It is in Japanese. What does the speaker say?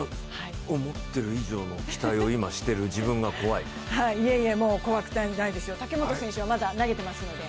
思っている以上の期待を今している自分が怖い怖くないですよ、武本選手はまだ投げていますので。